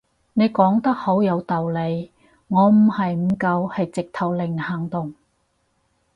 你講得好有道理，我唔係唔夠係直頭零行動